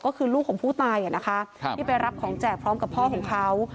ก็คือลูกของผู้ตายที่ไปรับของแจกพร้อมกับพ่อของเขา